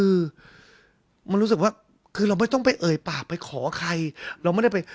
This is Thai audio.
คือมันรู้สึกว่าคือเราไม่ต้องไปเอ่ยปากไปขอใครเราไม่ได้ไป